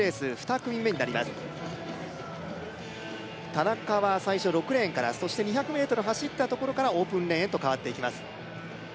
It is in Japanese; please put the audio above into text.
田中は最初６レーンからそして２００ｍ走ったところからオープンレーンへと変わっていきます